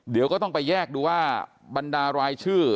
เดี๋ยวก็ต้องไปแยกดูว่าบรรดารายชื่อ